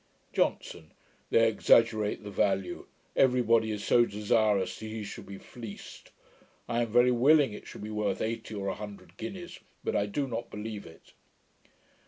JOHNSON. 'They exaggerate the value; every body is so desirous that he should be fleeced. I am very willing it should be worth eighty or a hundred guineas; but I do not believe it.'